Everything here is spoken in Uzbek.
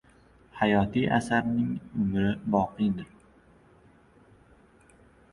Hayotiy asarning umri boqiydir.